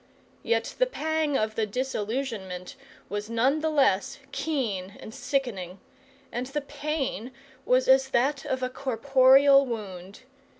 Yet the pang of the disillusionment was none the less keen and sickening, and the pain was as that of a corporeal wound.